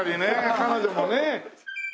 彼女もね。